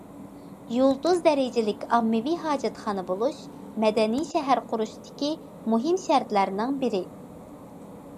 يۇلتۇز دەرىجىلىك ئاممىۋى ھاجەتخانا بولۇش مەدەنىي شەھەر قۇرۇشتىكى مۇھىم شەرتلەرنىڭ بىرى.